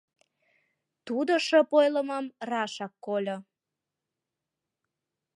— тудо шып ойлымым рашак кольо.